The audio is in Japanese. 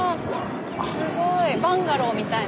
すごい。